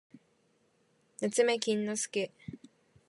なつめきんのすけ